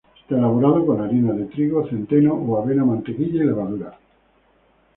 Está elaborado con harina de trigo, centeno o avena, mantequilla y levadura.